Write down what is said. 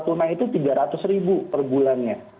kepala tunai itu rp tiga ratus per bulannya